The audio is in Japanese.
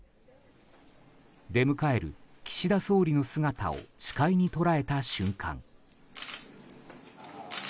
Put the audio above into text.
出迎える岸田総理の姿を視界に捉えた瞬間。